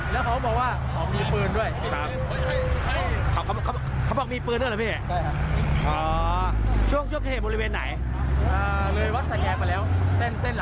แล้วอาจพูดแบบยิงสารโรงละระแซงประเทศบังวิตร